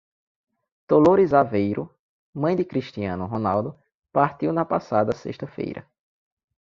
Dolores Aveiro, mãe de Cristiano Ronaldo, partiu na passada sexta-feira.